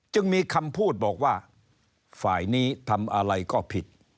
จึงมีคำพูดบอกว่าฝ่ายนี้ทำอะไรก็ผิด